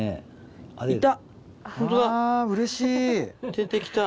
出てきた。